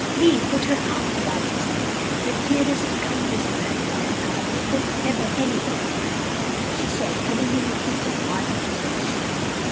Vi put her arms about his neck. "The dearest, kindest grandpa and guardian that ever anybody had!" she said, giving him a kiss of ardent affection.